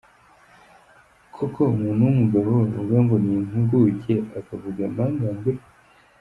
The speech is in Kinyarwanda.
Koko umuntu w’umugabo bavuga ngo ni impuguke akavuga amangambure ?